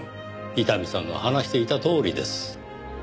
伊丹さんが話していたとおりです。